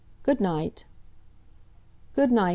"Good night!" "Good night!"